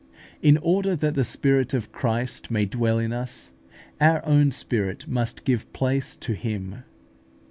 In order that the Spirit of Christ may dwell in us, our own spirit must give place to Him.